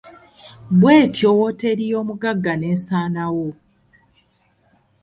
Bw'etyo wooteri y'omuggaga n'essaanawo.